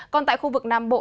còn tại khu vực nam bộ